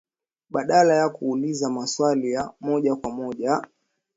badala ya kuuliza maswali ya moja kwa moja